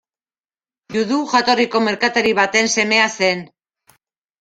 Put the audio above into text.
Judu jatorriko merkatari baten semea zen.